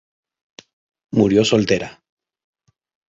Murió soltera.